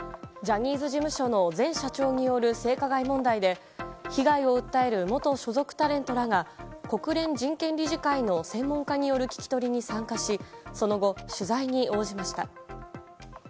ジャニーズ事務所の前社長による性加害問題で被害を訴える元所属タレントらが国連人権理事会の専門家による聞き取りに参加しその後、取材に応じました。